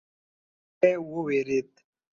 سړی وویرید.